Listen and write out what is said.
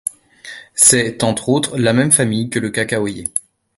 C'est, entre autres, la même famille que le cacaoyer.